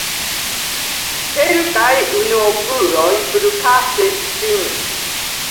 Kelkaj unuopuloj plu kaŝis sin.